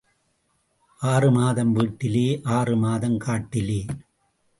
ஆறு மாதம் வீட்டிலே ஆறு மாதம் காட்டிலே.